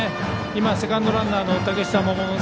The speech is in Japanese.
今、セカンドランナーの嶽下桃之